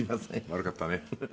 「悪かったね」